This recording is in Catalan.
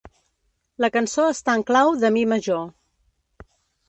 La cançó està en clau de Mi Major.